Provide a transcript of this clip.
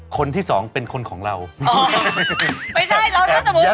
คนที่สองเป็นคนของเราอ๋อไม่ใช่เราถ้าสมมุติตั้งแต่แรกอ่ะ